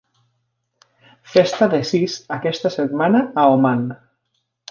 Festa de sis aquesta setmana a Oman